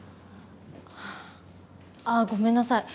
ああごめんなさい